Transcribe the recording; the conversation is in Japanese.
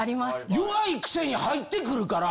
弱いくせに入ってくるから。